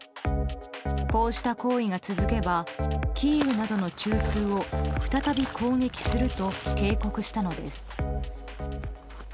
こうした行為が続けばキーウなどの中枢を再び攻撃すると警告したのです。